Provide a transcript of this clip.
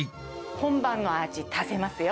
本場の味、出せますよ。